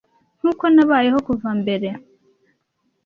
Nkuko nabayeho kuva mbere.